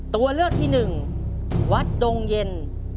ตัวเลือกที่๑วัดดงเย็น